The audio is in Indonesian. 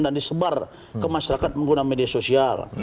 dan disebar ke masyarakat menggunakan media sosial